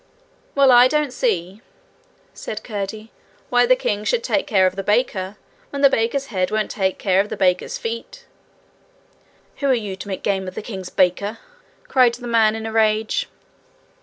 'Well, I don't see, said Curdie, 'why the king should take care of the baker, when the baker's head won't take care of the baker's feet.' 'Who are you to make game of the king's baker?' cried the man in a rage.